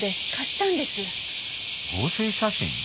合成写真？